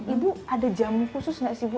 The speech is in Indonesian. ibu ada jamu khusus nggak sih bu